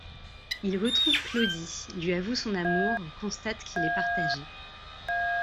Il retrouve Claudie, lui avoue son amour, constate qu'il est partagé.